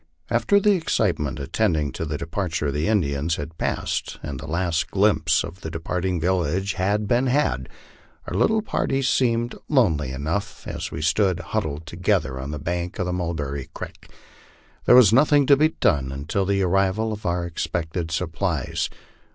After the excitement attending the departure of the Indians had passed, and the last glimpse of the departing village had been had, our little party seemed lonely enough, as we stood huddled together on the bank of Mulber ry creek. There was nothing to be done until the arrival of our expected sup plies.